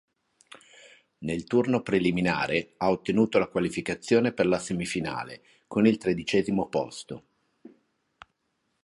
Nel turno preliminare ha ottenuto la qualificazione per la semifinale con il tredicesimo posto.